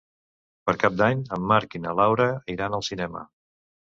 Per Cap d'Any en Marc i na Laura iran al cinema.